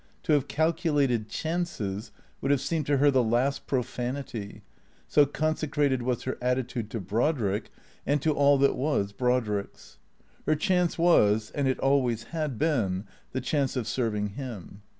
To have calculated chances would have seemed to her the last profanity, so consecrated was her attitude to Brodrick and to all that was Brodrick's. Her chance was, and it always had been, the chance of serving him.